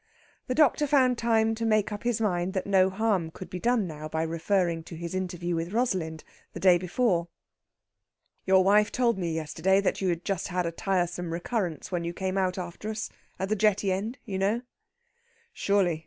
The doctor found time to make up his mind that no harm could be done now by referring to his interview with Rosalind, the day before. "Your wife told me yesterday that you had just had a tiresome recurrence when you came out after us at the jetty end, you know." "Surely!